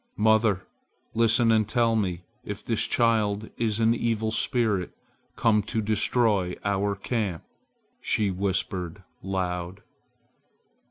"Mother, listen and tell me if this child is an evil spirit come to destroy our camp!" she whispered loud.